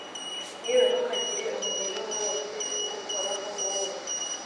yawe Ntukagire umurimo wose uwukoraho wowe